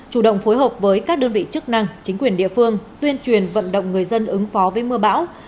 chủ động phối hợp với các đơn vị chức năng chính quyền địa phương tuyên truyền vận động người dân ứng phó với mưa bão